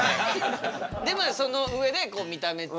でまあその上で見た目ちがう